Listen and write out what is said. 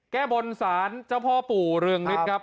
แก้บนศาลเจ้าพ่อปู่เรืองฤทธิ์ครับ